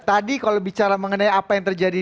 tadi kalau bicara mengenai apa yang terjadi